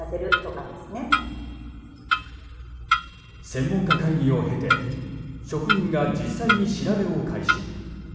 専門家会議を経て職員が実際に調べを開始。